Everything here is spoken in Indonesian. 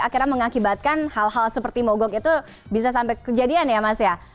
akhirnya mengakibatkan hal hal seperti mogok itu bisa sampai kejadian ya mas ya